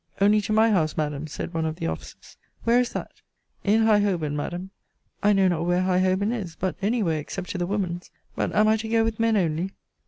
Only to my house, Madam, said one of the officers. Where is that? In High Holborn, Madam. I know not where High Holborn is: but any where, except to the woman's. But am I to go with men only?